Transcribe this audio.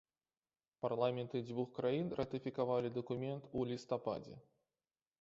Парламенты дзвюх краін ратыфікавалі дакумент у лістападзе.